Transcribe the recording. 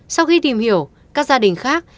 sau khi tìm hiểu các gia đình khác